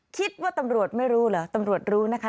คิดว่าตำรวจไม่รู้เหรอตำรวจรู้นะคะ